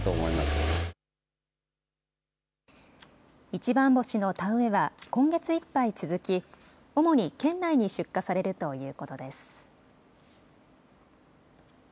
一番星の田植えは今月いっぱい続き主に県内に出荷されるということです。